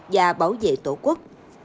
và bảo vệ tổ quốc